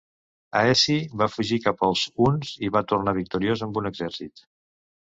Aeci va fugir cap als huns i va tornar victoriós amb un exèrcit.